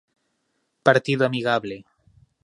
Partido amigable.